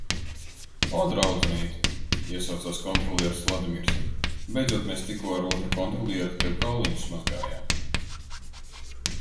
"O, draudzenīte," iesaucās kontrolieris Vladimirs. Beidzot, mēs tikko ar otru kontrolieri tev kauliņus mazgājām.